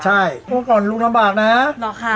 ใช่อ๋อครั้งนี้ลูกลำบากนะหรอคะ